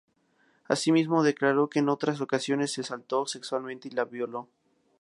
Asimismo, declaró que en otras ocasiones la asaltó sexualmente y la violó.